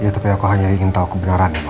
iya tapi aku hanya ingin tau kebenaran ya ma